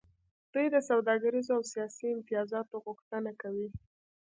دوی د سوداګریزو او سیاسي امتیازاتو غوښتنه کوي